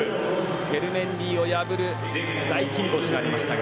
ケルメンディを破る大金星となりましたが。